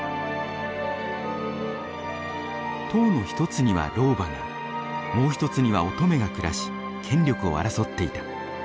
塔の一つには老婆がもう一つには乙女が暮らし権力を争っていた。